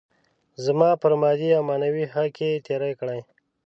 زما پر مادي او معنوي حق يې تېری کړی.